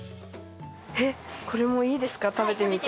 これもいいですか食べてみて。